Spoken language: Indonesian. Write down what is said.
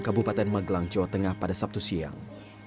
kabupaten magelang jawa tengah pada sabtu siang